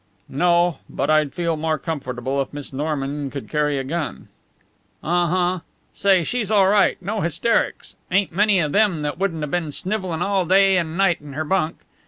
"No, but I'd feel more comfortable if Miss Norman could carry a gun." "Uh huh. Say, she's all right. No hysterics. Ain't many of 'em that wouldn't 'a' been snivellin' all day and night in her bunk.